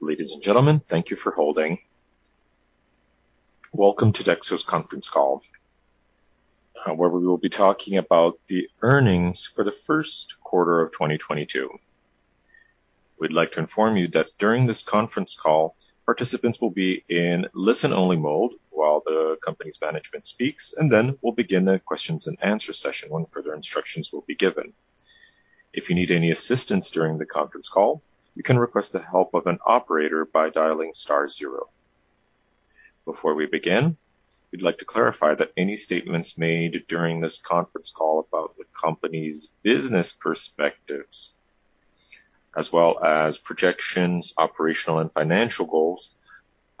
Ladies and gentlemen, thank you for holding. Welcome to Dexco's conference call, where we will be talking about the earnings for the first quarter of 2022. We'd like to inform you that during this conference call, participants will be in listen-only mode while the company's management speaks, and then we'll begin the questions-and-answer session when further instructions will be given. If you need any assistance during the conference call, you can request the help of an operator by dialing star zero. Before we begin, we'd like to clarify that any statements made during this conference call about the company's business perspectives as well as projections, operational and financial goals,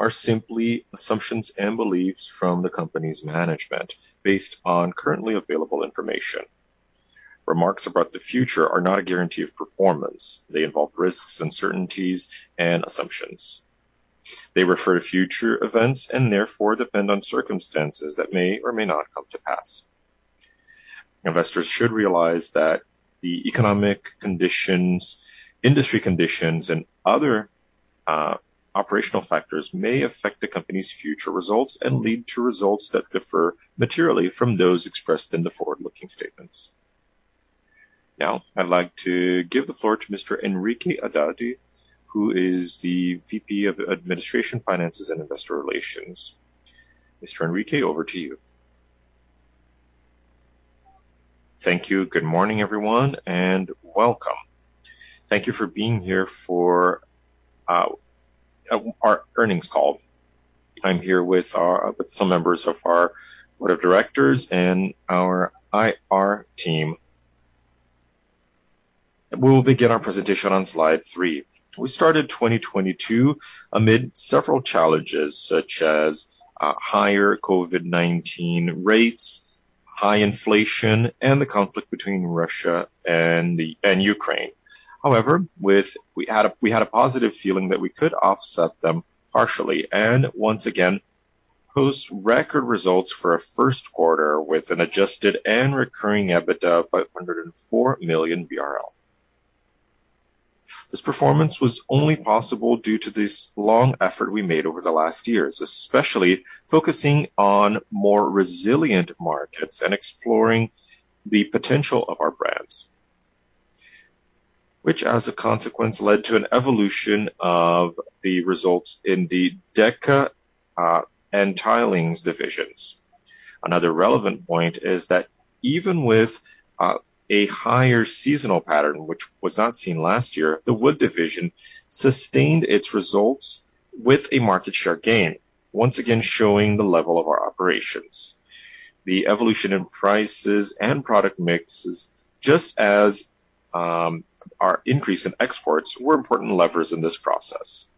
are simply assumptions and beliefs from the company's management based on currently available information. Remarks about the future are not a guarantee of performance. They involve risks, uncertainties, and assumptions. They refer to future events and therefore depend on circumstances that may or may not come to pass. Investors should realize that the economic conditions, industry conditions, and other operational factors may affect the company's future results and lead to results that differ materially from those expressed in the forward-looking statements. Now I'd like to give the floor to Mr. Henrique Haddad, who is the VP of Administration, Finance, and Investor Relations. Mr. Henrique, over to you. Thank you. Good morning, everyone, and welcome. Thank you for being here for our earnings call. I'm here with some members of our board of directors and our IR team. We will begin our presentation on slide three. We started 2022 amid several challenges such as higher COVID-19 rates, high inflation, and the conflict between Russia and Ukraine. However, we had a positive feeling that we could offset them partially and once again post record results for a first quarter with an adjusted and recurring EBITDA of 504 million BRL. This performance was only possible due to this long effort we made over the last years, especially focusing on more resilient markets and exploring the potential of our brands, which as a consequence led to an evolution of the results in the Deca and tilings divisions. Another relevant point is that even with a higher seasonal pattern, which was not seen last year, the Wood Division sustained its results with a market share gain, once again showing the level of our operations. The evolution in prices and product mixes, just as our increase in exports were important levers in this process.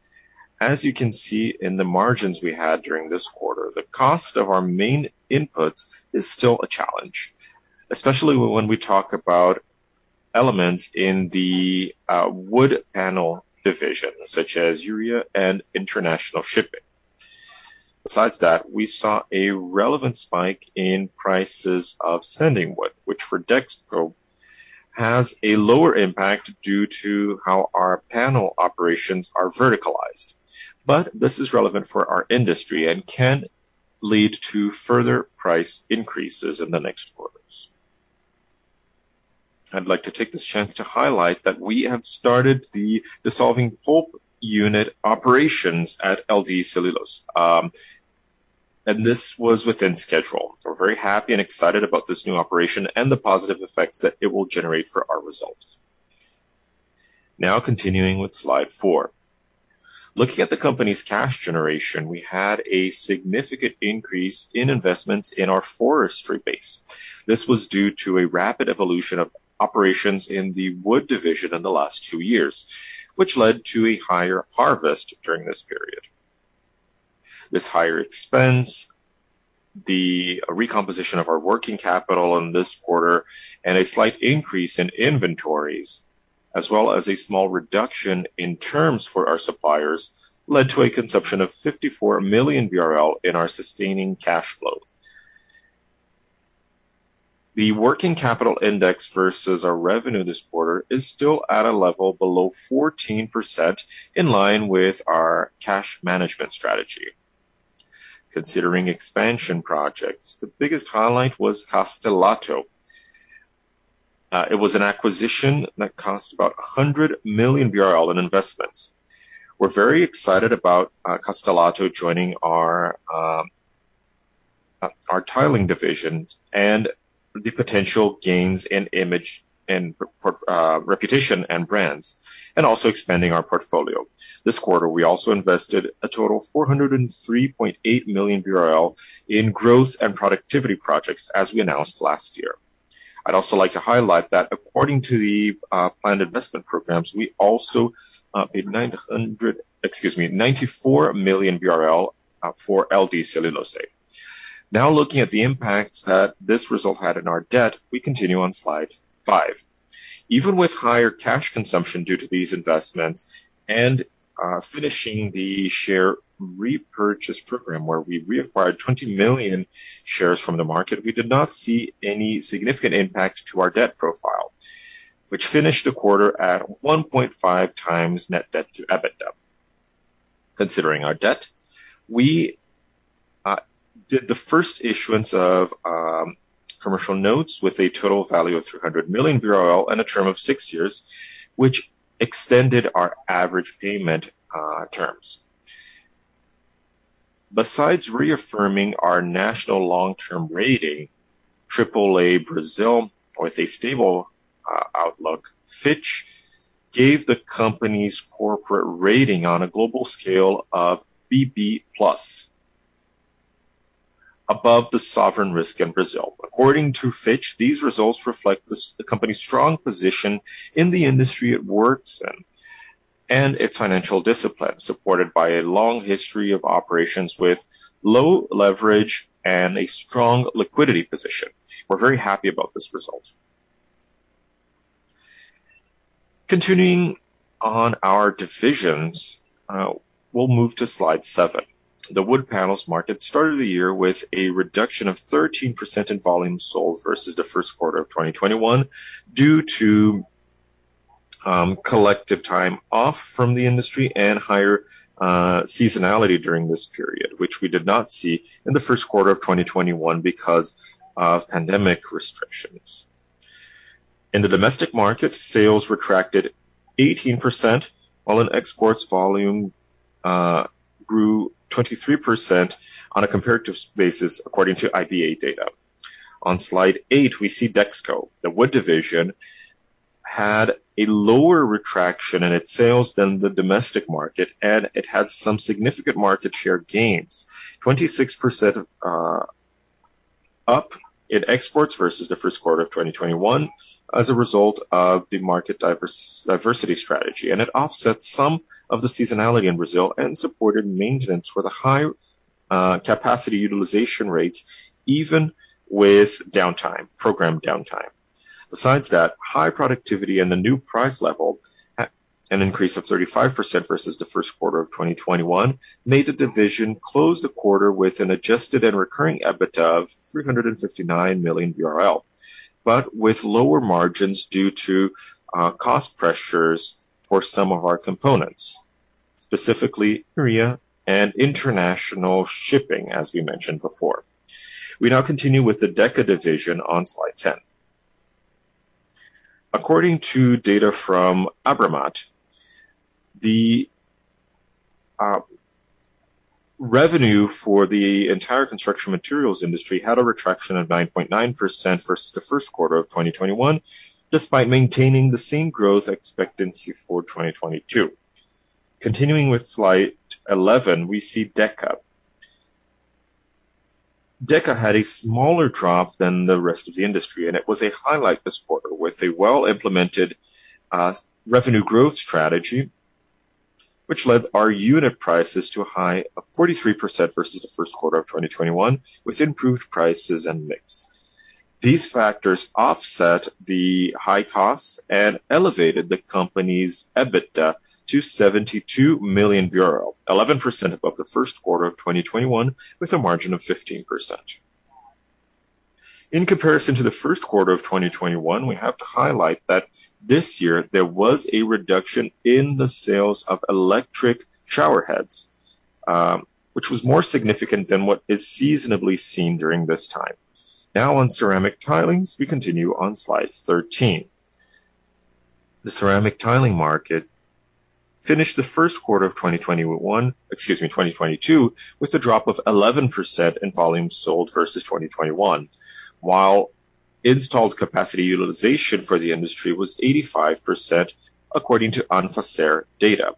As you can see in the margins we had during this quarter, the cost of our main inputs is still a challenge, especially when we talk about elements in the wood panel division such as urea and international shipping. Besides that, we saw a relevant spike in prices of sanding wood, which for Dexco has a lower impact due to how our panel operations are verticalized. This is relevant for our industry and can lead to further price increases in the next quarters. I'd like to take this chance to highlight that we have started the dissolving pulp unit operations at LD Celulose, and this was within schedule. We're very happy and excited about this new operation and the positive effects that it will generate for our results. Now continuing with slide four. Looking at the company's cash generation, we had a significant increase in investments in our forestry base. This was due to a rapid evolution of operations in the wood division in the last two years, which led to a higher harvest during this period. This higher expense, the recomposition of our working capital in this quarter and a slight increase in inventories, as well as a small reduction in terms for our suppliers, led to a consumption of 54 million in our sustaining cash flow. The working capital index versus our revenue this quarter is still at a level below 14% in line with our cash management strategy. Considering expansion projects, the biggest highlight was Castelatto. It was an acquisition that cost about 100 million BRL in investments. We're very excited about Castelatto joining our tiling division and the potential gains in image and reputation and brands, and also expanding our portfolio. This quarter, we also invested a total 403.8 million BRL in growth and productivity projects as we announced last year. I'd also like to highlight that according to the planned investment programs, we also paid, excuse me, 94 million BRL for LD Celulose. Now looking at the impacts that this result had on our debt, we continue on slide five. Even with higher cash consumption due to these investments and finishing the share repurchase program where we reacquired 20 million shares from the market, we did not see any significant impact to our debt profile, which finished the quarter at 1.5x net debt to EBITDA. Considering our debt, we did the first issuance of commercial notes with a total value of 300 million BRL and a term of six years, which extended our average payment terms. Besides reaffirming our national long-term rating, AAA(bra) with a stable outlook, Fitch gave the company's corporate rating on a global scale of BB+ above the sovereign risk in Brazil. According to Fitch, these results reflect the company's strong position in the industry it works in and its financial discipline, supported by a long history of operations with low leverage and a strong liquidity position. We're very happy about this result. Continuing on our divisions, we'll move to slide 7. The wood panels market started the year with a reduction of 13% in volume sold versus the first quarter of 2021 due to collective time off from the industry and higher seasonality during this period, which we did not see in the first quarter of 2021 because of pandemic restrictions. In the domestic market, sales retracted 18% while in exports volume grew 23% on a comparative basis according to IBÁ data. On slide eight, we see Dexco. The wood division had a lower retraction in its sales than the domestic market, and it had some significant market share gains. 26%, up in exports versus the first quarter of 2021 as a result of the market diversity strategy. It offsets some of the seasonality in Brazil and supported maintenance for the high capacity utilization rates even with downtime, programmed downtime. Besides that, high productivity and the new price level, an increase of 35% versus the first quarter of 2021, made the division close the quarter with an adjusted and recurring EBITDA of 359 million, but with lower margins due to cost pressures for some of our components, specifically urea and international shipping, as we mentioned before. We now continue with the Deca division on slide 10. According to data from ABRAMAT, the revenue for the entire construction materials industry had a contraction of 9.9% versus the first quarter of 2021, despite maintaining the same growth expectancy for 2022. Continuing with slide 11, we see Deca. Deca had a smaller drop than the rest of the industry, and it was a highlight this quarter with a well-implemented revenue growth strategy, which led our unit prices to a high of 43% versus the first quarter of 2021, with improved prices and mix. These factors offset the high costs and elevated the company's EBITDA to 72 million, 11% above the first quarter of 2021, with a margin of 15%. In comparison to the first quarter of 2021, we have to highlight that this year there was a reduction in the sales of electric shower heads, which was more significant than what is seasonally seen during this time. Now on ceramic tiling, we continue on slide 13. The ceramic tiling market finished the first quarter of 2021, excuse me, 2022, with a drop of 11% in volume sold versus 2021, while installed capacity utilization for the industry was 85%, according to ANFACER data.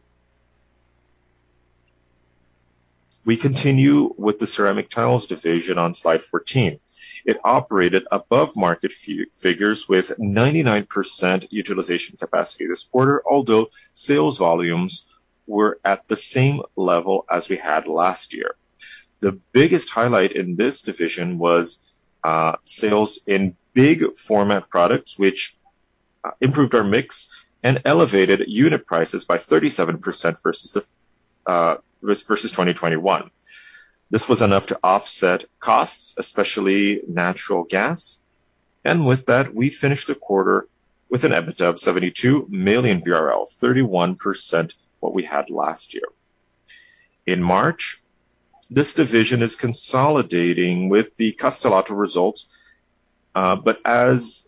We continue with the ceramic tiles division on slide 14. It operated above market figures with 99% utilization capacity this quarter, although sales volumes were at the same level as we had last year. The biggest highlight in this division was sales in big format products, which improved our mix and elevated unit prices by 37% versus 2021. This was enough to offset costs, especially natural gas. With that, we finished the quarter with an EBITDA of 72 million BRL, 31% what we had last year. In March, this division is consolidating with the Castelatto results, but as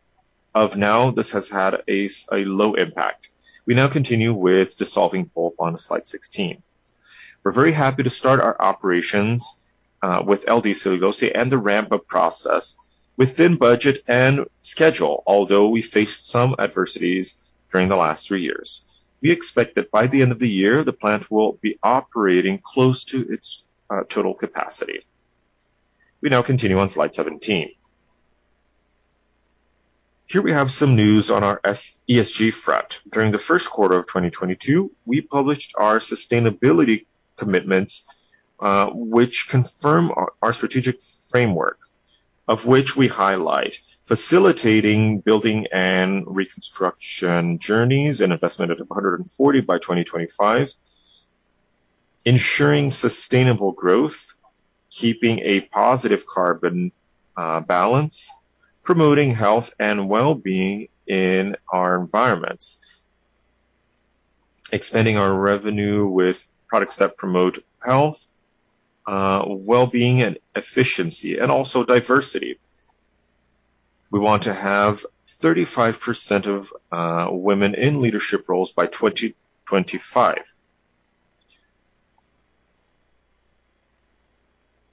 of now, this has had a low impact. We now continue with dissolving pulp on slide 16. We're very happy to start our operations with LD Celulose and the ramp-up process within budget and schedule, although we faced some adversities during the last three years. We expect that by the end of the year, the plant will be operating close to its total capacity. We now continue on slide 17. Here we have some news on our ESG front. During the first quarter of 2022, we published our sustainability commitments, which confirm our strategic framework, of which we highlight facilitating building and reconstruction journeys, an investment of 140 by 2025, ensuring sustainable growth. Keeping a positive carbon balance, promoting health and well-being in our environments. Expanding our revenue with products that promote health, well-being and efficiency, and also diversity. We want to have 35% of women in leadership roles by 2025.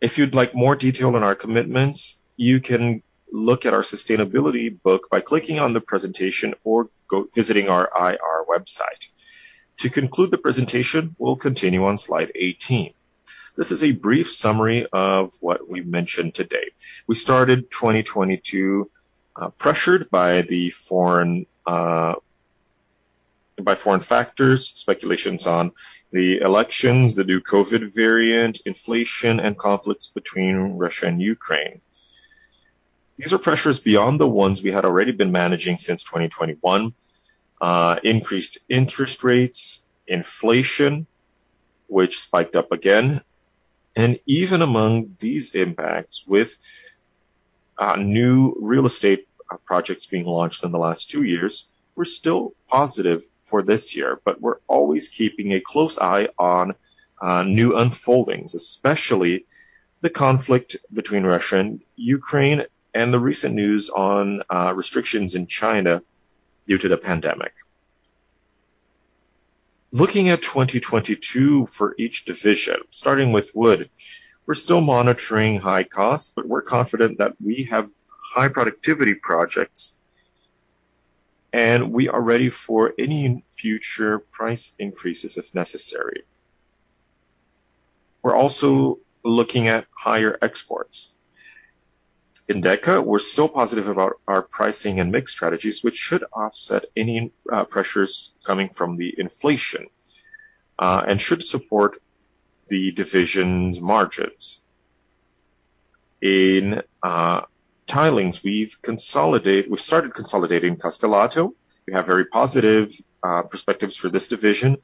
If you'd like more detail on our commitments, you can look at our sustainability book by clicking on the presentation or visiting our IR website. To conclude the presentation, we'll continue on slide 18. This is a brief summary of what we've mentioned today. We started 2022, pressured by foreign factors, speculations on the elections, the new COVID-19 variant, inflation, and conflicts between Russia and Ukraine. These are pressures beyond the ones we had already been managing since 2021. Increased interest rates, inflation, which spiked up again. Even among these impacts, with new real estate projects being launched in the last two years, we're still positive for this year, but we're always keeping a close eye on new unfoldings, especially the conflict between Russia and Ukraine and the recent news on restrictions in China due to the pandemic. Looking at 2022 for each division, starting with wood, we're still monitoring high costs, but we're confident that we have high productivity projects, and we are ready for any future price increases if necessary. We're also looking at higher exports. In Deca, we're still positive about our pricing and mix strategies, which should offset any pressures coming from the inflation and should support the division's margins. In tilings, we've started consolidating Castelatto. We have very positive perspectives for this division,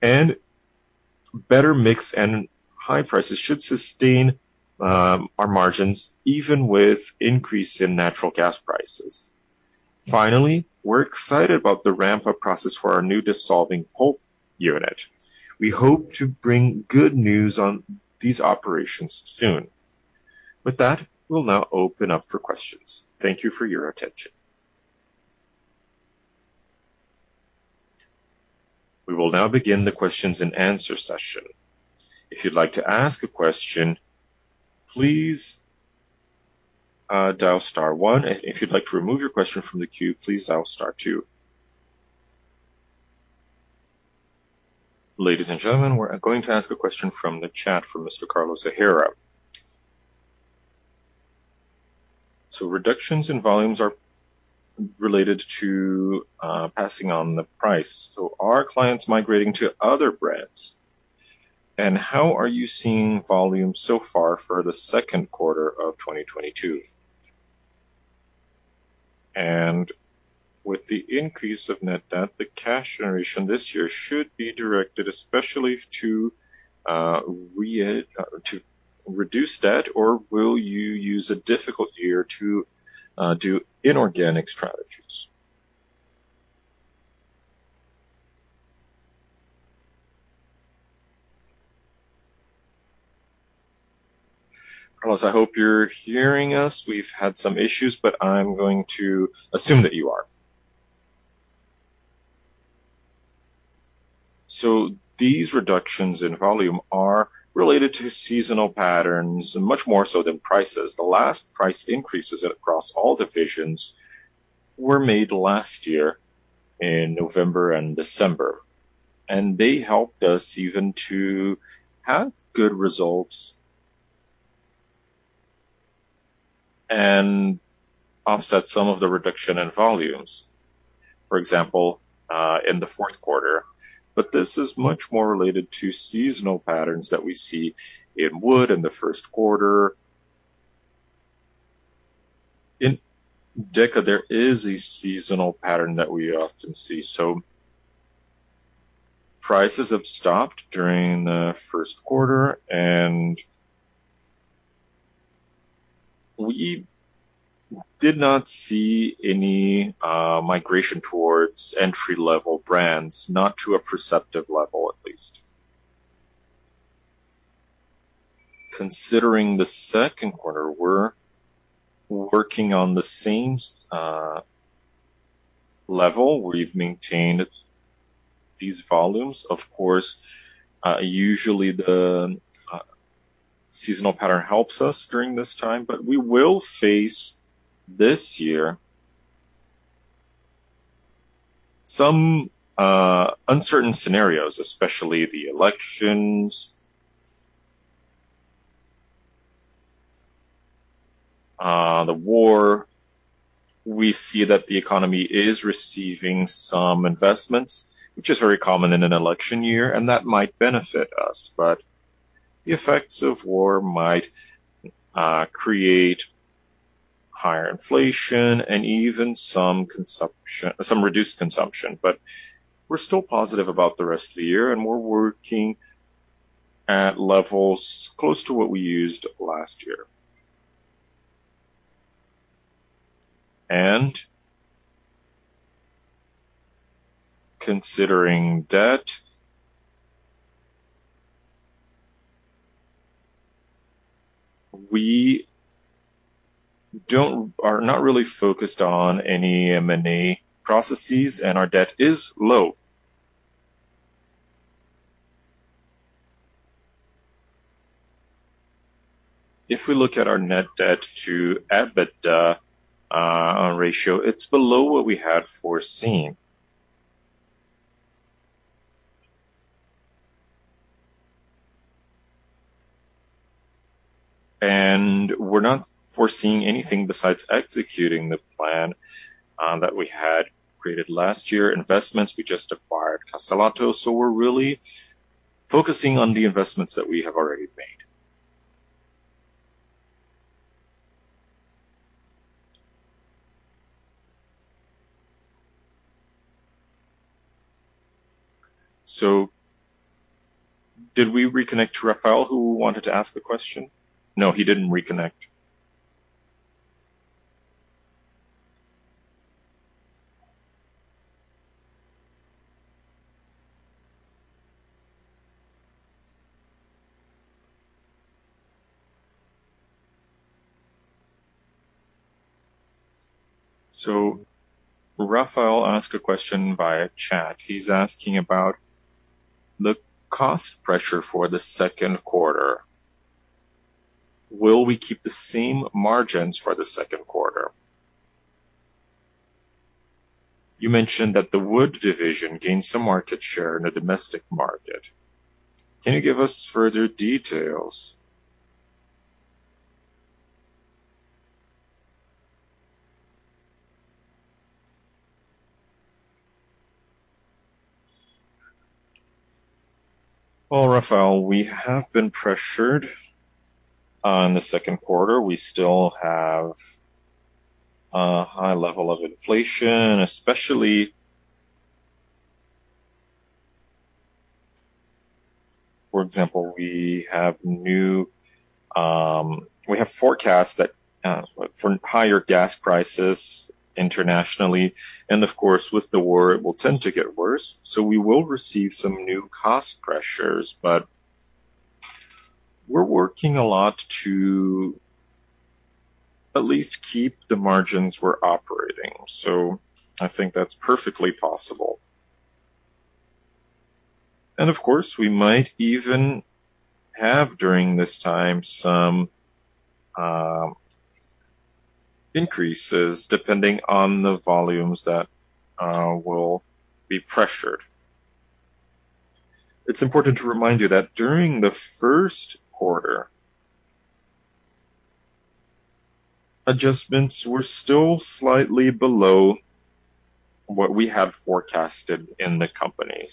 and better mix and high prices should sustain our margins even with increase in natural gas prices. Finally, we're excited about the ramp-up process for our new dissolving pulp unit. We hope to bring good news on these operations soon. With that, we'll now open up for questions. Thank you for your attention. We will now begin the question-and-answer session. If you'd like to ask a question, please dial star one. If you'd like to remove your question from the queue, please dial star two. Ladies and gentlemen, we're going to ask a question from the chat from Mr.Carlos Haddad. Reductions in volumes are related to passing on the price. Are clients migrating to other brands? How are you seeing volumes so far for the second quarter of 2022? With the increase of net debt, the cash generation this year should be directed especially to reduce debt, or will you use a difficult year to do inorganic strategies? Carlos, I hope you're hearing us. We've had some issues, but I'm going to assume that you are. These reductions in volume are related to seasonal patterns, much more so than prices. The last price increases across all divisions were made last year in November and December, and they helped us even to have good results and offset some of the reduction in volumes, for example, in the fourth quarter. This is much more related to seasonal patterns that we see in wood in the first quarter. In Deca, there is a seasonal pattern that we often see, so prices have dropped during the first quarter, and we did not see any migration towards entry-level brands, not to a perceptible level at least. Considering the second quarter, we're working on the same level. We've maintained these volumes. Of course, usually the seasonal pattern helps us during this time, but we will face this year some uncertain scenarios, especially the elections, the war. We see that the economy is receiving some investments, which is very common in an election year, and that might benefit us. But the effects of war might create higher inflation and even some reduced consumption. We're still positive about the rest of the year, and we're working at levels close to what we used last year. Considering debt, we are not really focused on any M&A processes, and our debt is low. If we look at our net debt to EBITDA ratio, it's below what we had foreseen. We're not foreseeing anything besides executing the plan that we had created last year. Investments, we just acquired Castelatto, so we're really focusing on the investments that we have already made. Did we reconnect Rafael, who wanted to ask a question? No, he didn't reconnect. Rafael asked a question via chat. He's asking about the cost pressure for the second quarter. Will we keep the same margins for the second quarter? You mentioned that the wood division gained some market share in the domestic market. Can you give us further details? Well, Rafael, we have been pressured on the second quarter. We still have a high level of inflation, especially. For example, we have forecasts that from higher gas prices internationally, and of course, with the war, it will tend to get worse. We will receive some new cost pressures, but we're working a lot to at least keep the margins we're operating. I think that's perfectly possible. And of course, we might even have, during this time, some increases depending on the volumes that will be pressured. It's important to remind you that during the first quarter, adjustments were still slightly below what we had forecasted in the company.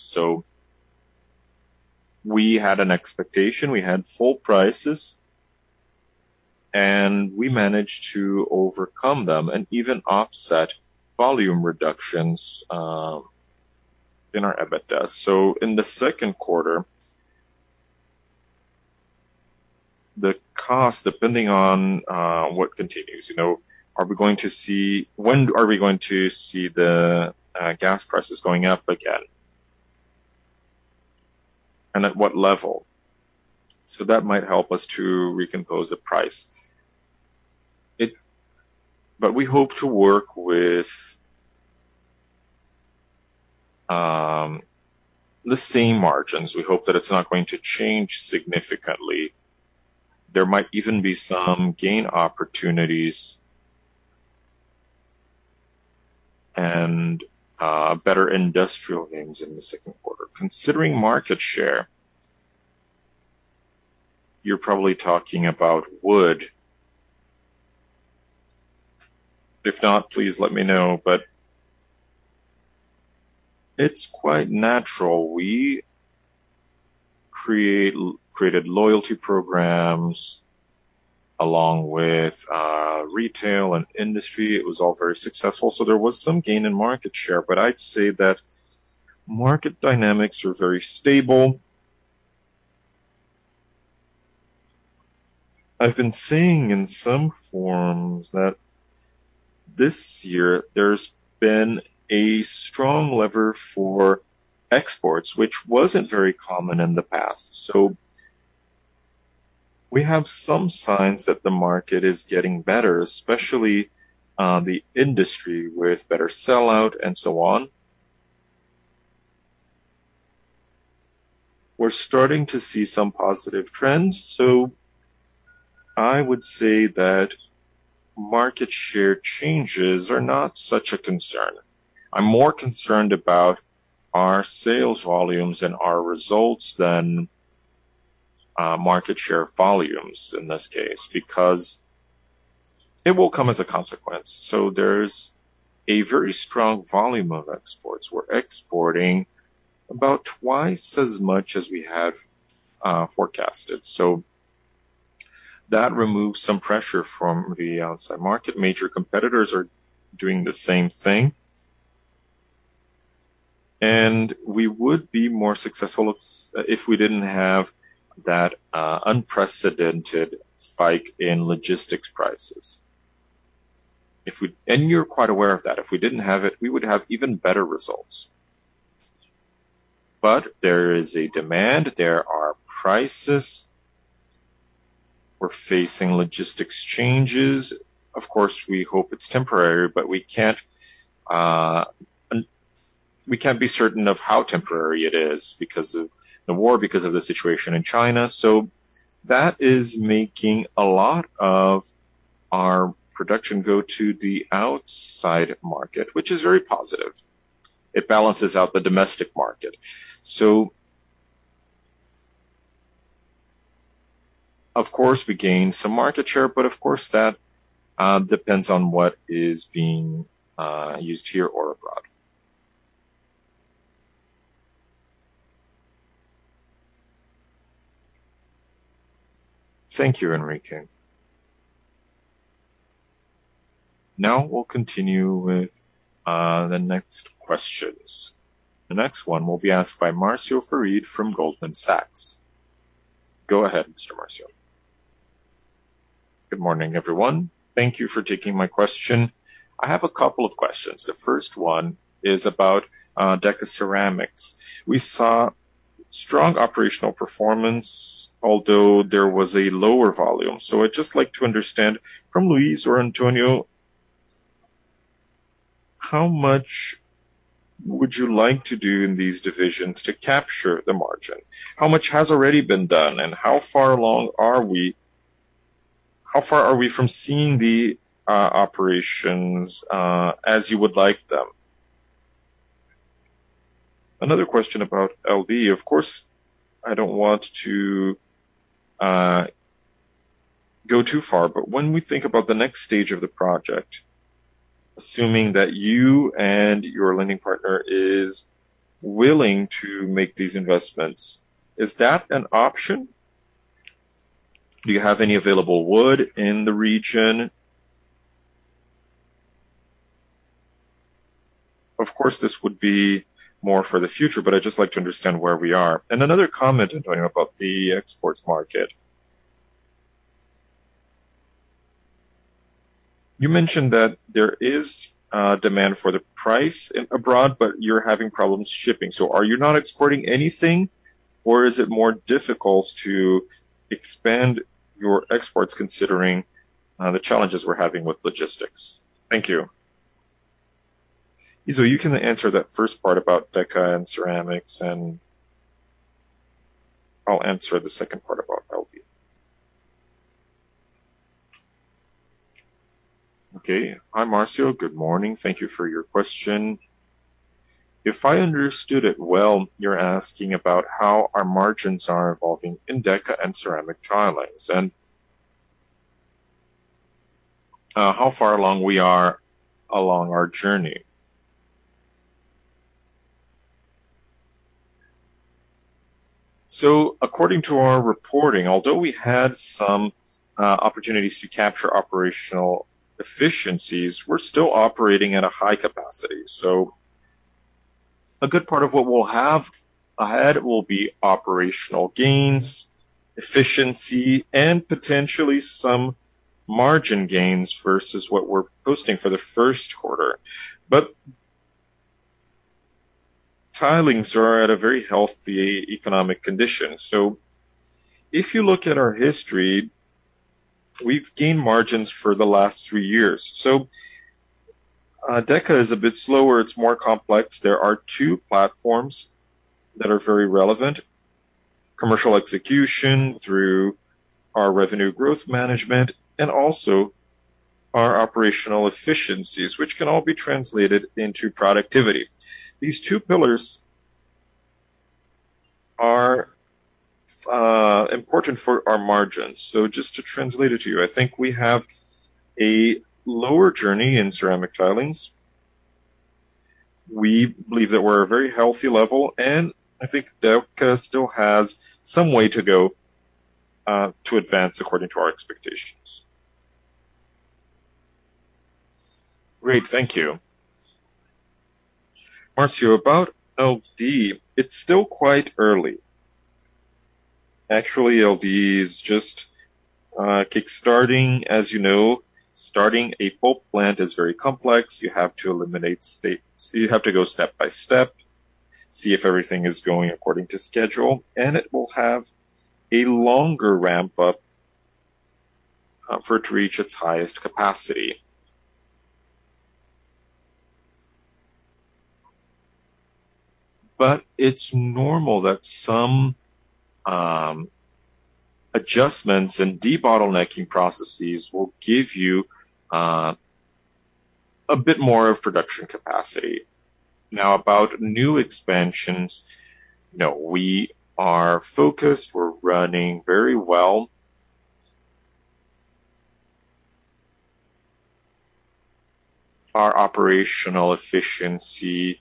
We had an expectation, we had full prices, and we managed to overcome them and even offset volume reductions in our EBITDA. In the second quarter, the cost, depending on what continues, are we going to see when are we going to see the gas prices going up again? And at what level? That might help us to recompose the price. We hope to work with the same margins. We hope that it's not going to change significantly. There might even be some gain opportunities and better industrial gains in the second quarter. Considering market share, you're probably talking about wood. If not, please let me know. It's quite natural. We created loyalty programs along with retail and industry. It was all very successful. There was some gain in market share, but I'd say that market dynamics are very stable. I've been seeing in some forms that this year there's been a strong lever for exports, which wasn't very common in the past. We have some signs that the market is getting better, especially the industry with better sell-out and so on. We're starting to see some positive trends, so I would say that market share changes are not such a concern. I'm more concerned about our sales volumes and our results than market share volumes in this case because it will come as a consequence. There's a very strong volume of exports. We're exporting about twice as much as we have forecasted. That removes some pressure from the outside market. Major competitors are doing the same thing. We would be more successful if we didn't have that unprecedented spike in logistics prices. You're quite aware of that. If we didn't have it, we would have even better results. There is a demand, there are prices. We're facing logistics changes. Of course, we hope it's temporary, but we can't be certain of how temporary it is because of the war, because of the situation in China. That is making a lot of our production go to the outside market, which is very positive. It balances out the domestic market. Of course, we gain some market share, but of course that depends on what is being used here or abroad. Thank you, Henrique. Now we'll continue with the next questions. The next one will be asked by Marcio Farid from Goldman Sachs. Go ahead, Mr. Marcio. Good morning, everyone. Thank you for taking my question. I have a couple of questions. The first one is about Deca Ceramics. We saw strong operational performance, although there was a lower volume. I'd just like to understand from Luis or Antonio how much would you like to do in these divisions to capture the margin? How much has already been done, and how far are we from seeing the operations as you would like them? Another question about LD. Of course, I don't want to go too far, but when we think about the next stage of the project, assuming that you and your lending partner is willing to make these investments, is that an option? Do you have any available wood in the region? Of course, this would be more for the future, but I'd just like to understand where we are. Another comment, Antonio, about the exports market. You mentioned that there is demand for the price abroad, but you're having problems shipping. Are you not exporting anything, or is it more difficult to expand your exports considering the challenges we're having with logistics? Thank you. You can answer that first part about Deca and ceramics, and I'll answer the second part about LD. Okay. Hi, Marcio, good morning. Thank you for your question. If I understood it well, you're asking about how our margins are evolving in Deca and ceramic tiles, and how far along we are along our journey. According to our reporting, although we had some opportunities to capture operational efficiencies, we're still operating at a high capacity. A good part of what we'll have ahead will be operational gains, efficiency, and potentially some margin gains versus what we're posting for the first quarter. Tilings are at a very healthy economic condition. If you look at our history, we've gained margins for the last three years. Deca is a bit slower. It's more complex. There are two platforms that are very relevant. Commercial execution through our revenue growth management and also our operational efficiencies, which can all be translated into productivity. These two pillars are important for our margins. Just to translate it to you, I think we have a longer journey in ceramic tilings. We believe that we're at a very healthy level, and I think Deca still has some way to go to advance according to our expectations. Great. Thank you. Marcio, about LD, it's still quite early. Actually, LD is just kick-starting. As you know, starting a pulp plant is very complex. You have to go step by step, see if everything is going according to schedule, and it will have a longer ramp up for it to reach its highest capacity. It's normal that some adjustments and debottlenecking processes will give you a bit more of production capacity. Now, about new expansions, no, we are focused. We're running very well. Our operational efficiency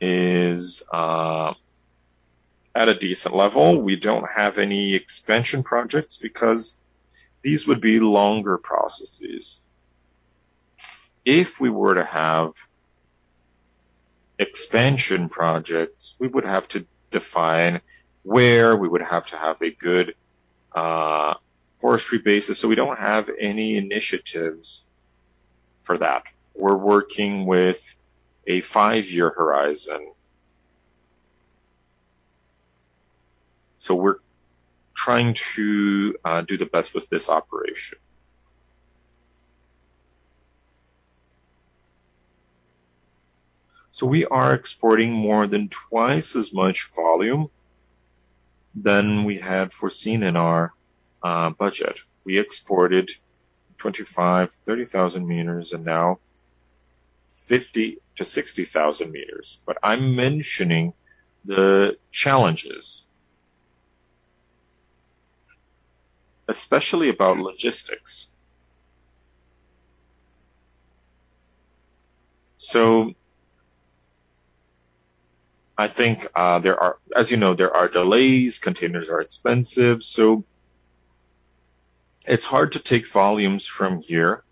is at a decent level. We don't have any expansion projects because these would be longer processes. If we were to have expansion projects, we would have to define where we would have to have a good forestry basis. We don't have any initiatives for that. We're working with a five-year horizon. We're trying to do the best with this operation. We are exporting more than twice as much volume than we had foreseen in our budget. We exported 25,000-30,000 m, and now 50,000-60,000 m. I'm mentioning the challenges, especially about logistics. I think, as you know, there are delays, containers are expensive, so it's hard to take volumes from here.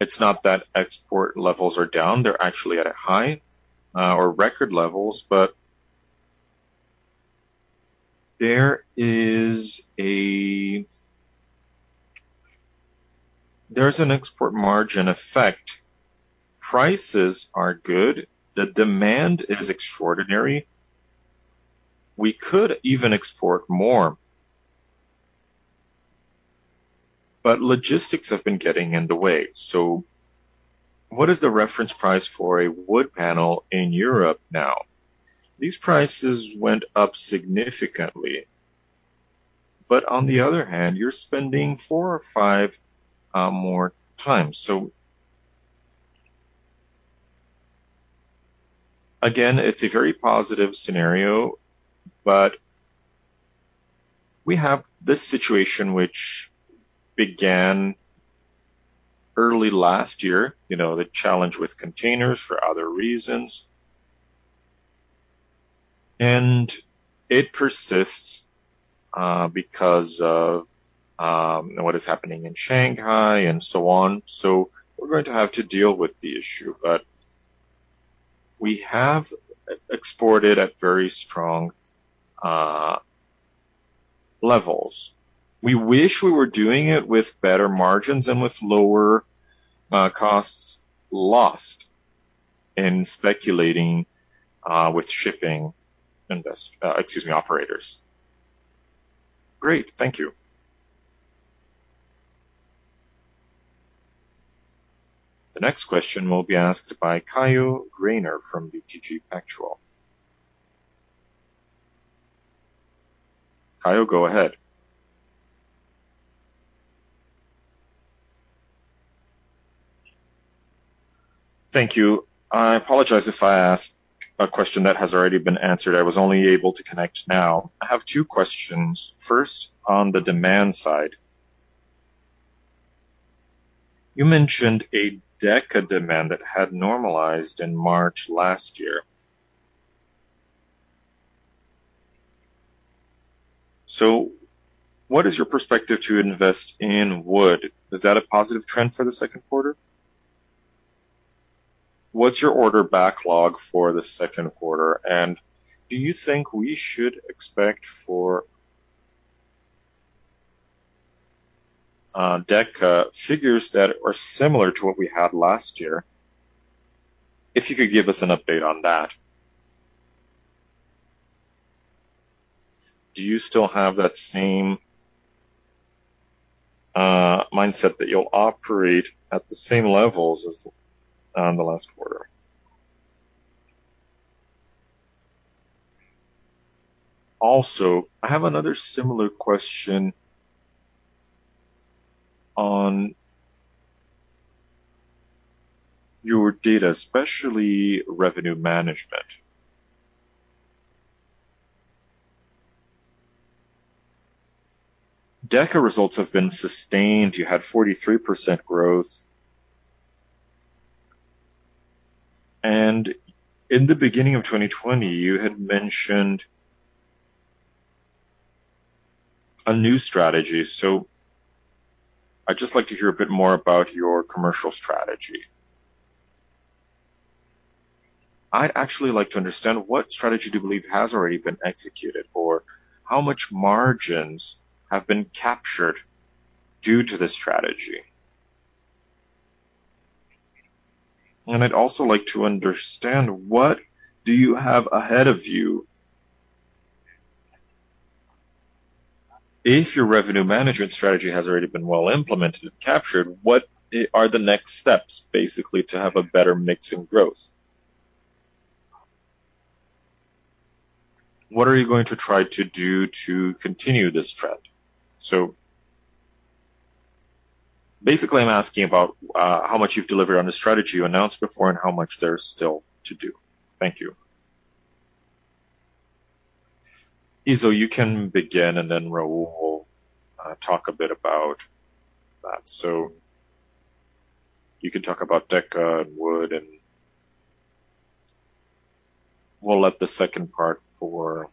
It's not that export levels are down, they're actually at a high or record levels, but there's an export margin effect. Prices are good, the demand is extraordinary. We could even export more, but logistics have been getting in the way. What is the reference price for a wood panel in Europe now? These prices went up significantly. On the other hand, you're spending four or five more time. Again, it's a very positive scenario, but we have this situation which began early last year, you know, the challenge with containers for other reasons. It persists because of what is happening in Shanghai and so on. We're going to have to deal with the issue, but we have exported at very strong levels. We wish we were doing it with better margins and with lower costs lost in speculating with shipping operators. Great. Thank you. The next question will be asked by Caio Greiner from BTG Pactual. Caio, go ahead. Thank you. I apologize if I ask a question that has already been answered. I was only able to connect now. I have two questions. First, on the demand side. You mentioned a Deca demand that had normalized in March last year. What is your perspective to invest in wood? Is that a positive trend for the second quarter? What's your order backlog for the second quarter? Do you think we should expect for Deca figures that are similar to what we had last year? If you could give us an update on that. Do you still have that same mindset that you'll operate at the same levels as the last quarter? I have another similar question on your Deca, especially revenue management. Deca results have been sustained. You had 43% growth. In the beginning of 2020, you had mentioned a new strategy. I'd just like to hear a bit more about your commercial strategy. I'd actually like to understand what strategy do you believe has already been executed, or how much margins have been captured due to the strategy. I'd also like to understand what do you have ahead of you if your revenue management strategy has already been well implemented and captured, what are the next steps basically to have a better mix in growth? What are you going to try to do to continue this trend? Basically, I'm asking about how much you've delivered on the strategy you announced before and how much there's still to do. Thank you. Caio, you can begin, and then Raul will talk a bit about that. You can talk about Deca and Wood, and we'll let the second part for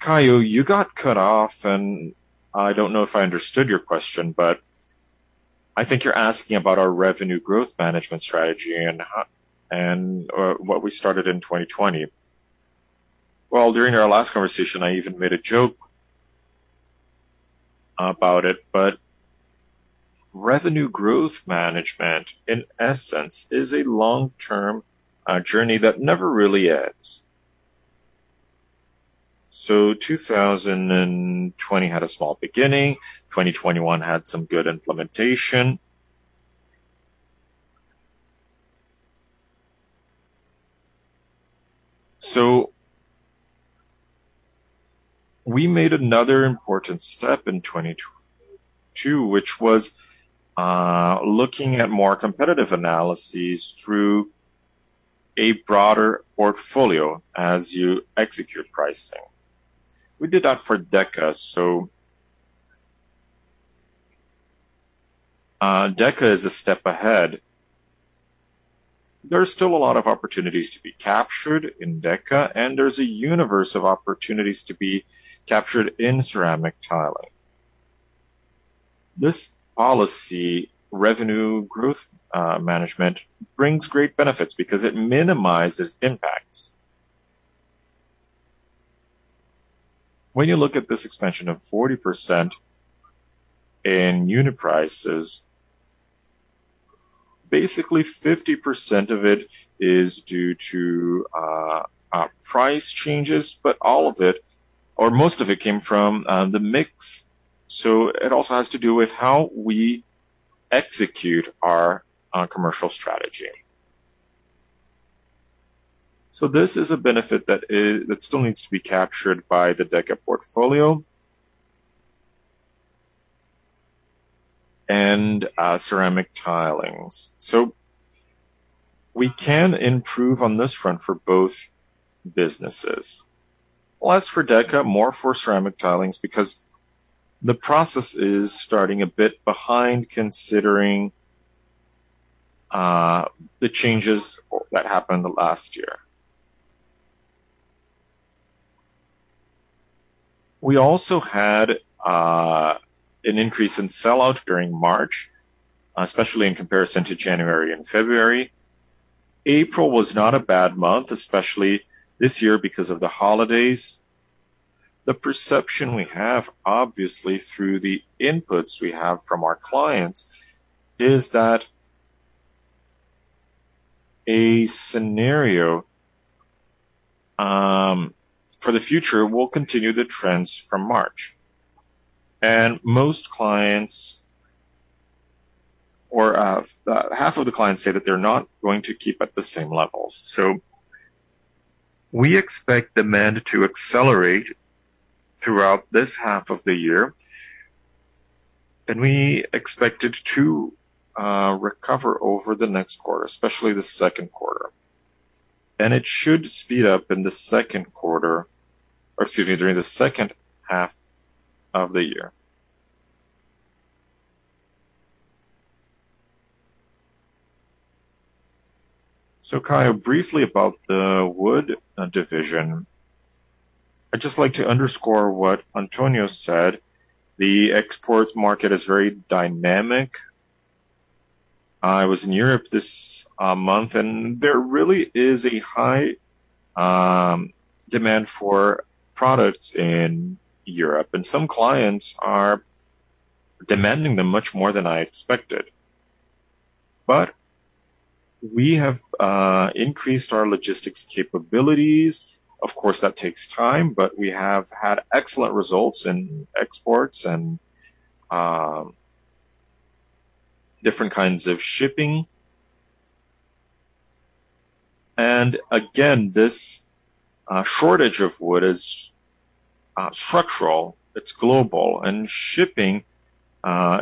Caio. Caio, you got cut off, and I don't know if I understood your question, but I think you're asking about our revenue growth management strategy and what we started in 2020. Well, during our last conversation, I even made a joke about it, but revenue growth management, in essence, is a long-term journey that never really ends. 2020 had a small beginning. 2021 had some good implementation. We made another important step in 2022, which was looking at more competitive analyses through a broader portfolio as you execute pricing. We did that for Deca. Deca is a step ahead. There's still a lot of opportunities to be captured in Deca, and there's a universe of opportunities to be captured in ceramic tiling. This policy, revenue growth management, brings great benefits because it minimizes impacts. When you look at this expansion of 40% in unit prices, basically 50% of it is due to price changes, but all of it, or most of it came from the mix. It also has to do with how we execute our commercial strategy. This is a benefit that still needs to be captured by the Deca portfolio and ceramic tiles. We can improve on this front for both businesses. Less for Deca, more for ceramic tiles because the process is starting a bit behind considering the changes that happened last year. We also had an increase in sell-out during March, especially in comparison to January and February. April was not a bad month, especially this year because of the holidays. The perception we have, obviously through the inputs we have from our clients, is that a scenario for the future will continue the trends from March. Most clients, half of the clients say that they're not going to keep at the same levels. We expect demand to accelerate throughout this half of the year, and we expect it to recover over the next quarter, especially the second quarter. It should speed up during the second half of the year. Caio, briefly about the wood division. I'd just like to underscore what Antonio said. The export market is very dynamic. I was in Europe this month, and there really is a high demand for products in Europe, and some clients are demanding them much more than I expected. We have increased our logistics capabilities. Of course, that takes time, but we have had excellent results in exports and different kinds of shipping. Again, this shortage of wood is structural, it's global, and shipping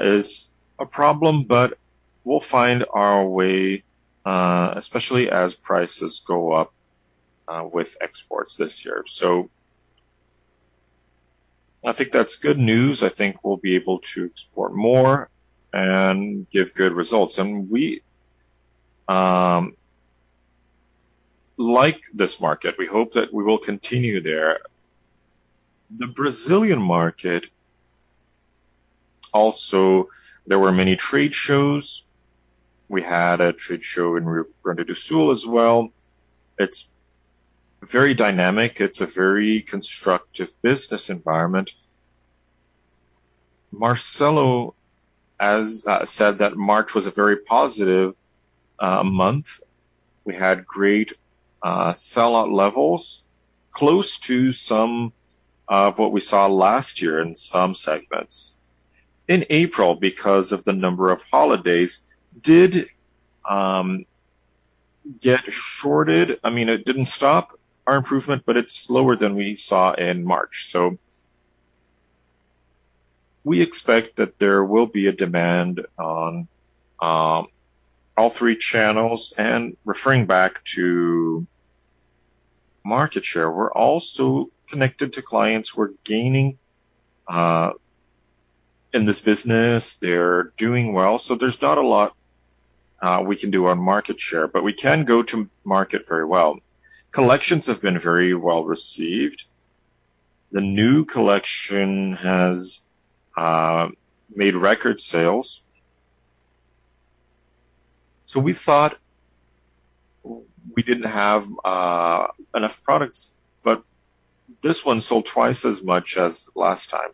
is a problem, but we'll find our way, especially as prices go up with exports this year. I think that's good news. I think we'll be able to export more and give good results. We like this market. We hope that we will continue there. The Brazilian market also, there were many trade shows. We had a trade show in Rio Grande do Sul as well. It's very dynamic. It's a very construction business environment. Marcelo has said that March was a very positive month. We had great sell-out levels, close to some of what we saw last year in some segments. In April, because of the number of holidays, it did get shorter. I mean, it didn't stop our improvement, but it's slower than we saw in March. We expect that there will be a demand on all three channels. Referring back to market share, we're also connected to clients. We're gaining in this business. They're doing well. There's not a lot we can do on market share, but we can go to market very well. Collections have been very well received. The new collection has made record sales. We thought we didn't have enough products, but this one sold twice as much as last time.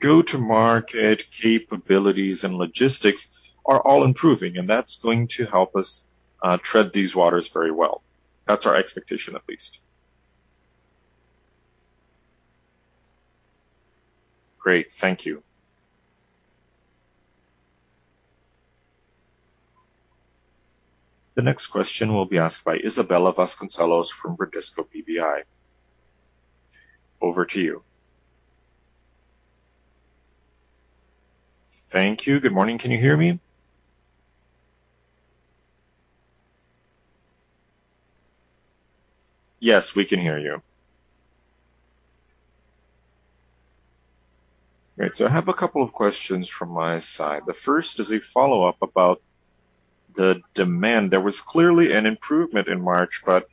Go-to-market capabilities and logistics are all improving, and that's going to help us tread these waters very well. That's our expectation, at least. Great. Thank you. The next question will be asked by Isabella Vasconcelos from Bradesco BBI. Over to you. Thank you. Good morning. Can you hear me? Yes, we can hear you. Great. I have a couple of questions from my side. The first is a follow-up about the demand. There was clearly an improvement in March, but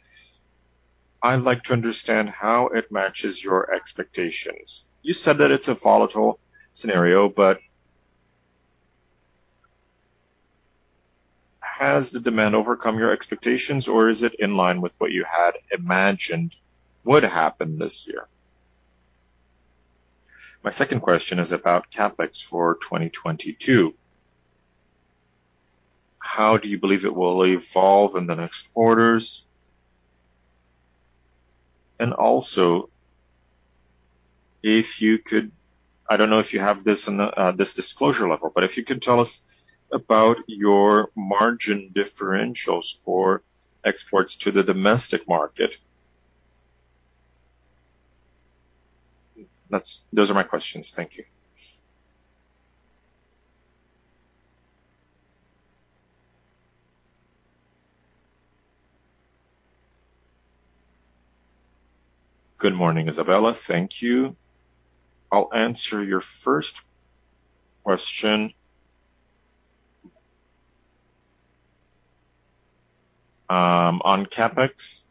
I'd like to understand how it matches your expectations. You said that it's a volatile scenario, but has the demand overcome your expectations or is it in line with what you had imagined would happen this year? My second question is about CapEx for 2022. How do you believe it will evolve in the next quarters? If you could—I don't know if you have this on a this disclosure level, but if you could tell us about your margin differentials for exports to the domestic market. Those are my questions. Thank you. Good morning, Isabella. Thank you. I'll answer your first question on CapEx,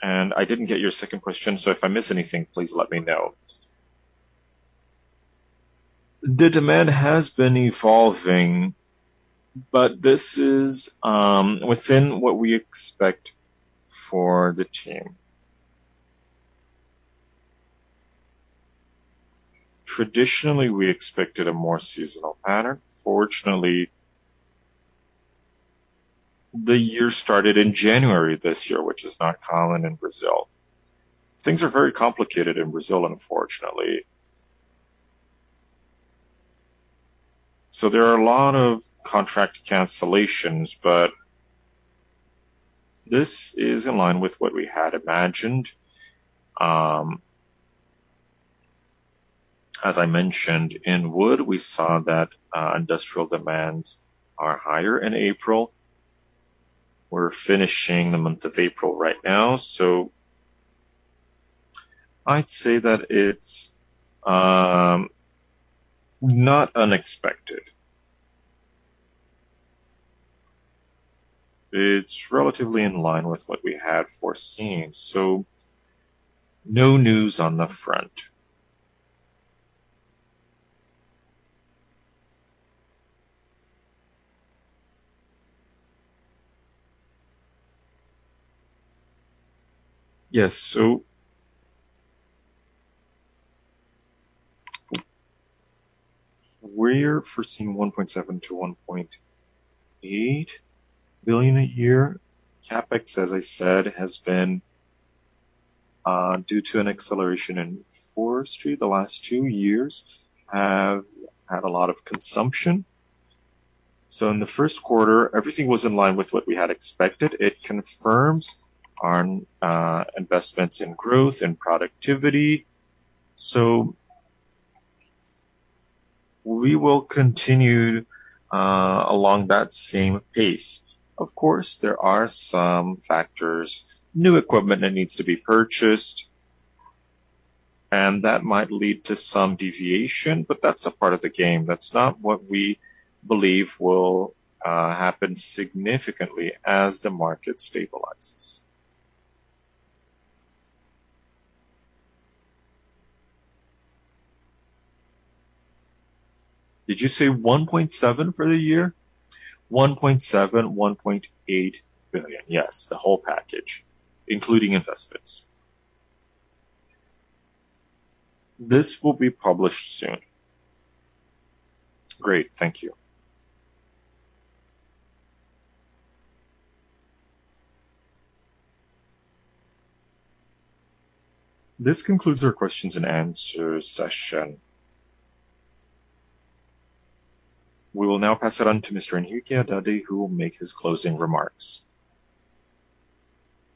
and I didn't get your second question, so if I miss anything, please let me know. The demand has been evolving, but this is within what we expect for the year. Traditionally, we expected a more seasonal pattern. Fortunately, the year started in January this year, which is not common in Brazil. Things are very complicated in Brazil, unfortunately. There are a lot of contract cancellations, but this is in line with what we had imagined. As I mentioned, in wood, we saw that industrial demands are higher in April. We're finishing the month of April right now. I'd say that it's not unexpected. It's relatively in line with what we had foreseen, so no news on the front. Yes. We're foreseeing 1.7 billion-1.8 billion a year. CapEx, as I said, has been due to an acceleration in forestry. The last two years have had a lot of consumption. In the first quarter, everything was in line with what we had expected. It confirms our investments in growth and productivity. We will continue along that same pace. Of course, there are some factors, new equipment that needs to be purchased, and that might lead to some deviation, but that's a part of the game. That's not what we believe will happen significantly as the market stabilizes. Did you say 1.7 for the year? 1.7 billion, 1.8 billion. Yes. The whole package, including investments. This will be published soon. Great. Thank you. This concludes our questions and answer session. We will now pass it on to Mr. Henrique Haddad, who will make his closing remarks.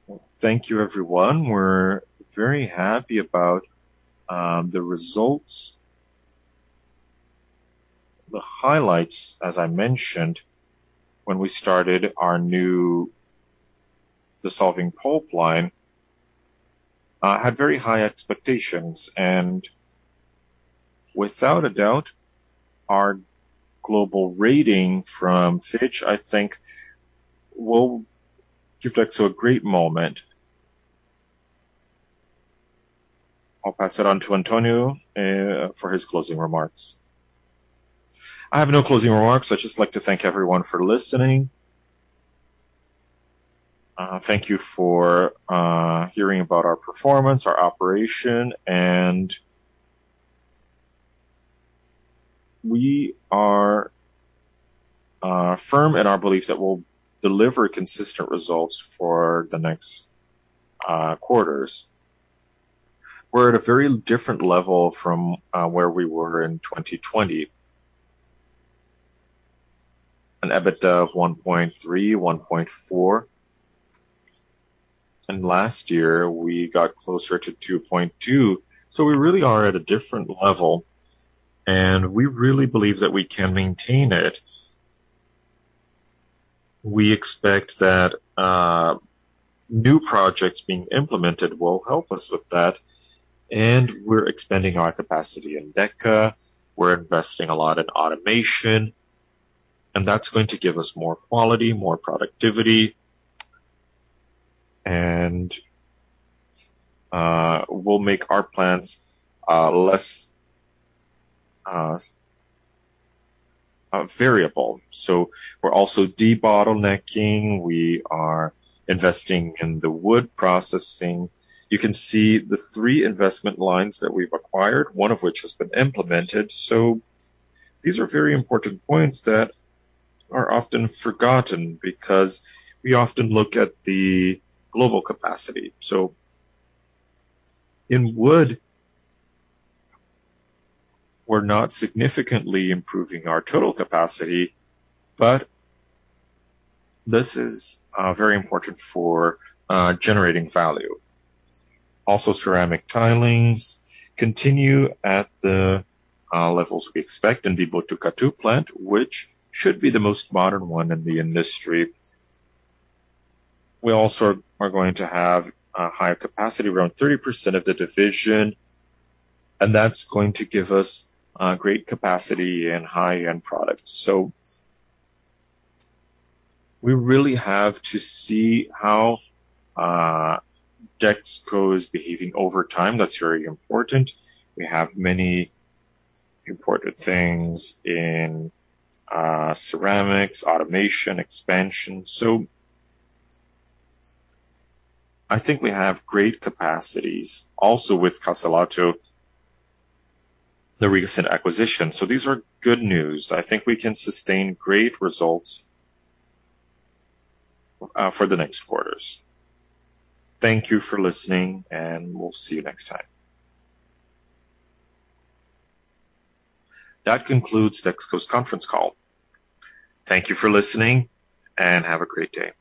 Well, thank you everyone. We're very happy about the results. The highlights, as I mentioned when we started our new dissolving pulp line, had very high expectations, and without a doubt, our global rating from Fitch, I think, will give back to a great moment. I'll pass it on to Antonio for his closing remarks. I have no closing remarks. I'd just like to thank everyone for listening. Thank you for hearing about our performance, our operation, and we are firm in our beliefs that we'll deliver consistent results for the next quarters. We're at a very different level from where we were in 2020. An EBITDA of 1.3 billion, 1.4 billion. Last year we got closer to 2.2 billion. We really are at a different level, and we really believe that we can maintain it. We expect that new projects being implemented will help us with that, and we're expanding our capacity in Deca. We're investing a lot in automation, and that's going to give us more quality, more productivity, and will make our plants less variable. We're also de-bottlenecking. We are investing in the wood processing. You can see the three investment lines that we've acquired, one of which has been implemented. These are very important points that are often forgotten because we often look at the global capacity. In wood, we're not significantly improving our total capacity, but this is very important for generating value. Also, ceramic tiles continue at the levels we expect in the Botucatu plant, which should be the most modern one in the industry. We also are going to have a higher capacity, around 30% of the division, and that's going to give us great capacity and high-end products. We really have to see how Dexco is behaving over time. That's very important. We have many important things in ceramics, automation, expansion. I think we have great capacities also with Castelatto, the recent acquisition. These are good news. I think we can sustain great results for the next quarters. Thank you for listening, and we'll see you next time. That concludes Dexco's conference call. Thank you for listening, and have a great day.